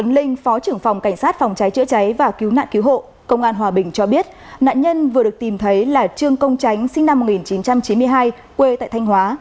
linh phó trưởng phòng cảnh sát phòng cháy chữa cháy và cứu nạn cứu hộ công an hòa bình cho biết nạn nhân vừa được tìm thấy là trương công tránh sinh năm một nghìn chín trăm chín mươi hai quê tại thanh hóa